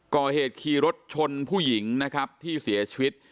ก่อเหตุขี่รถชนผู้หญิงนะครับที่เสียชีวิต